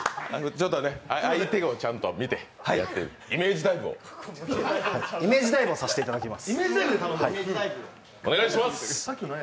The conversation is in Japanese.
ちょっとね、相手をちゃんと見てイメージダイブをさせていただきます。